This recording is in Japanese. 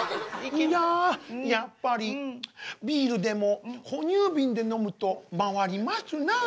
いややっぱりビールでも哺乳瓶で飲むと回りますなあ。